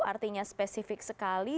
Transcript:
artinya spesifik sekali